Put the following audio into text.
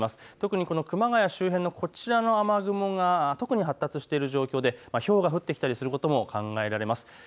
特に熊谷周辺の雨雲が特に発達している状況でひょうが降ってきたりすることも考えられます。